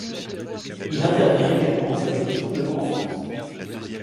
Il intervient également sur les questions de l'eau en France.